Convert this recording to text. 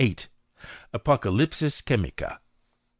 Apocalypais Chemica.